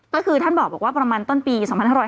ก็คือท่านบอกว่าประมาณต้นปี๒๕๖๐